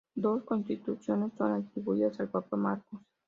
Dos constituciones son atribuidas al papa Marcos.